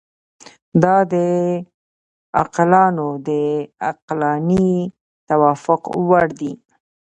دا د عاقلانو د عقلاني توافق وړ دي.